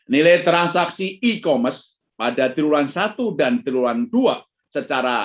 nilai transaksi e commerce pada triwulan satu dan triwulan dua secara